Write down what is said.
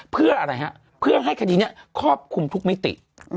เพื่ออะไรฮะเพื่อให้คดีนี้ครอบคลุมทุกมิติ